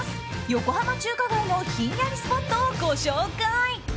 横浜中華街のひんやりスポットをご紹介。